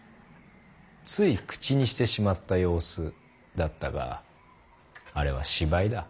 つい口にしてしまった様子だったがあれは芝居だ。